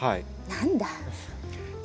何だ。